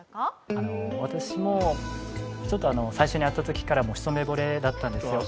あの私もちょっと最初に会った時から一目惚れだったんですよ。